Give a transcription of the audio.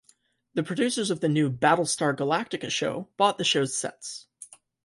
The producers of the new "Battlestar Galactica" show bought the show's sets.